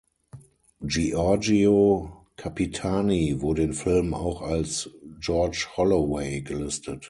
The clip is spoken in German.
Giorgio Capitani wurde in Filmen auch als "George Holloway" gelistet.